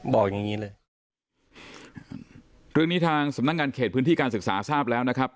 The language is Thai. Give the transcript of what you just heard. อย่างงี้เลยเรื่องนี้ทางสำนักงานเขตพื้นที่การศึกษาทราบแล้วนะครับ